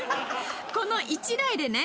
この１台でね